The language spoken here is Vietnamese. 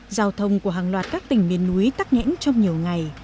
giao thông của hàng loạt các tỉnh miền núi tắc nghẽn trong nhiều ngày